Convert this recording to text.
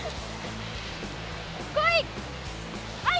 来い！